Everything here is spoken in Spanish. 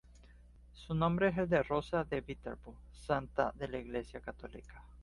Su nombre es el de "Rosa de Viterbo", santa de la Iglesia católica.